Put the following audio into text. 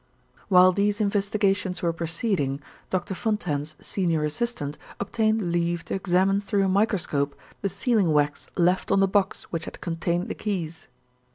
"While these investigations were proceeding, Doctor Fontaine's senior assistant obtained leave to examine through a microscope the sealing wax left on the box which had contained the keys.